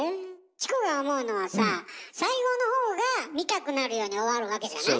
チコが思うのはさあ最後の方が見たくなるように終わるわけじゃない？